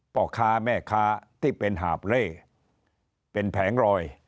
พ่อค้าแม่ค้าที่เป็นหาบเล่เป็นแผงรอย